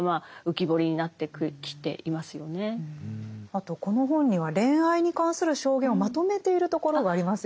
あとこの本には恋愛に関する証言をまとめているところがありますよね。